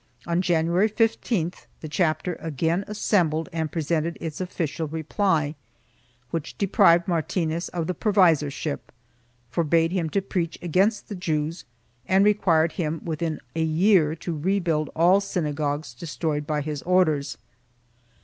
On January 15th the chapter again assembled and presented its official reply, which deprived Martinez of the provisorship, for bade him to preach against the Jews and required him within a year to rebuild all synagogues destroyed by his orders.